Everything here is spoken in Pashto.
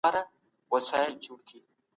ظلم ټولنه له منځه وړي.